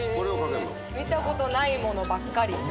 見たことないものばっかり。